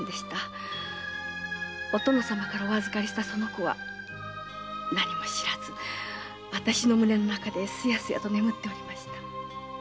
お殿様からお預かりしたその子は何も知らず私の胸の中でスヤスヤと眠っておりました。